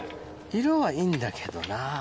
色はいいんだけどな。